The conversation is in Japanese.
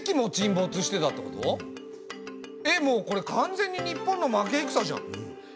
えっもうこれ完全に日本の負けいくさじゃん。